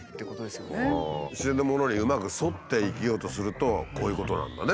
自然のものにうまく沿って生きようとするとこういうことなんだね。